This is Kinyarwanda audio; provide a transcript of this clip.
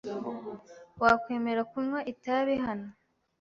Wakwemera kunywa itabi hano?